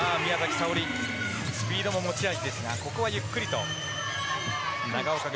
早織スピードも持ち味ですがここはゆっくりと。